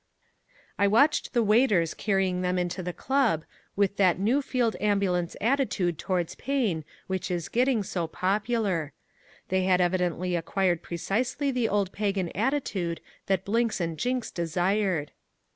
I watched the waiters carrying them into the club, with that new field ambulance attitude towards pain which is getting so popular. They had evidently acquired precisely the old pagan attitude that Blinks and Jinks desired.